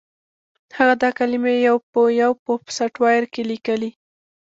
هغه دا کلمې یو په یو په سافټویر کې لیکلې